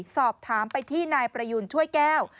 สอบถามไปที่นายประยูนช่วยแก้ว